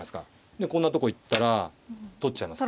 でこんなとこ行ったら取っちゃいます。